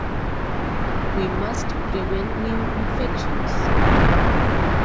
We must prevent new infections.